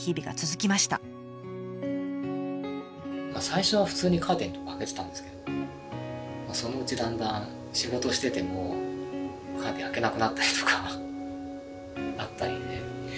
最初は普通にカーテンとか開けてたんですけどそのうちだんだん仕事しててもカーテン開けなくなったりとかあったりで。